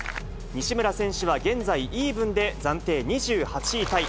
西村選手は現在、イーブンで暫定２８位タイ。